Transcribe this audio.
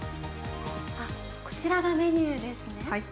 あっ、こちらがメニューですね。